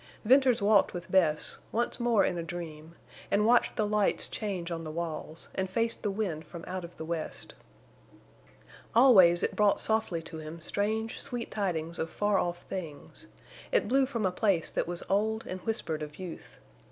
Venters walked with Bess, once more in a dream, and watched the lights change on the walls, and faced the wind from out of the west. Always it brought softly to him strange, sweet tidings of far off things. It blew from a place that was old and whispered of youth.